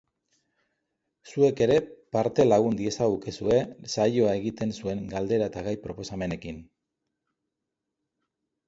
Zuek ere parte lagun diezagukezue saioa egiten zuen galdera eta gai proposamenekin.